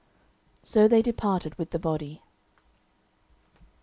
So they departed with the body.